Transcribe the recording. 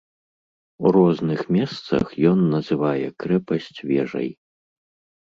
У розных месцах ён называе крэпасць вежай.